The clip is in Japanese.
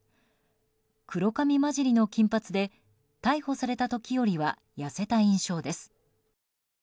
黒髪交じりの金髪で逮捕された時よりは痩せた印象です。